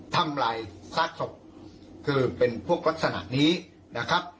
ทำลายซากศพคือเป็นพวกลักษณะนี้นะครับ